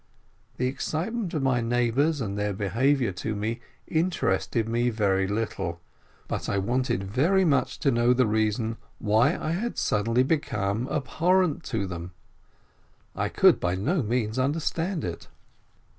The excitement of my neighbors and their behavior to me interested me very little ; but I wanted very much to know the reason why I had suddenly become abhor rent to them ? I could by no means understand it.